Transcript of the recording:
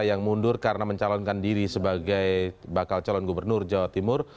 yang mundur karena mencalonkan diri sebagai bakal calon gubernur jawa timur